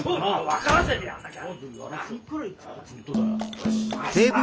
分からせてやらなきゃ。